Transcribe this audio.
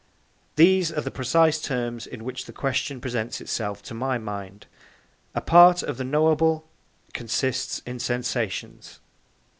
These are the precise terms in which this question presents itself to my mind. A part of the knowable consists in sensations.